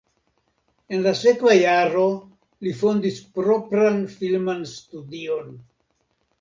En la sekva jaro li fondis propran filman studion.